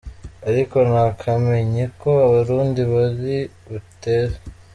Ariko ntakamenye ko Abarundi bari butere.